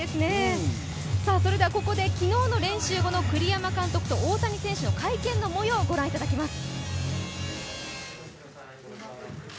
ここで昨日の練習後の栗山監督と大谷選手の会見の模様をご覧いただきます。